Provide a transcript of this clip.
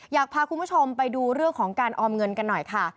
อยากพาคุณผู้ชมไปดูเรื่องของการออมเงินกันหน่อยค่ะ